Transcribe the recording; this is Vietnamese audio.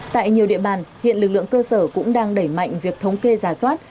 tại nhiều địa bàn hiện lực lượng cơ sở cũng đang đẩy mạnh việc thống kê giả soát